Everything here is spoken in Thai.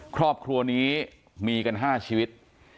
ครอบครัวนี้มีกัน๕ชีวิต